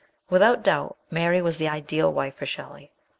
Without doubt, Mary was the ideal wife for Shelley.